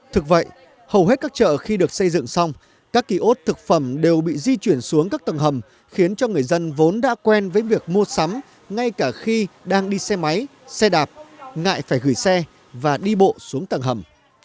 thực hiện các chợ khi được xây dựng xong các kỳ ốt thực phẩm đều bị di chuyển xuống các tầng hầm khiến cho người dân vốn đã quen với việc mua sắm ngay cả khi đang đi xe máy xe đạp ngại phải gửi xe và đi bộ xuống tầng hầm